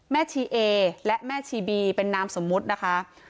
ชีเอและแม่ชีบีเป็นนามสมมุตินะคะ